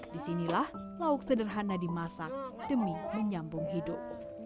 disinilah lauk sederhana dimasak demi menyambung hidup